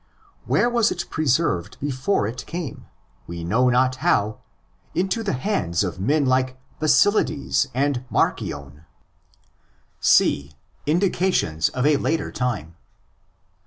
Where was it preserved before it came, we know not how, into the hands of men like Basilides and Marcion ? C'.—Indications of a Later Time.